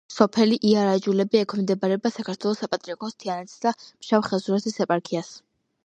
სოფელი იარაჯულები ექვემდებარება საქართველოს საპატრიარქოს თიანეთისა და ფშავ-ხევსურეთის ეპარქიას.